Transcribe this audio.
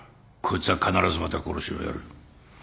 こいつは必ずまた殺しをやる。